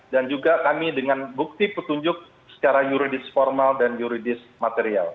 dan juga kami dengan bukti petunjuk secara juridis formal dan juridis material